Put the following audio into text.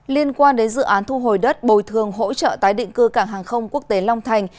liên quan đến dự án thu hồi đất bồi thường hỗ trợ tái định cư cảng hàng không quốc tế long thành